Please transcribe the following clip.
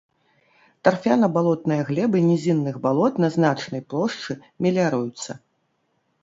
Тарфяна-балотныя глебы нізінных балот на значнай плошчы меліяруюцца.